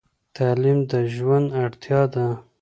تعلیم د ژوند اړتیا ده.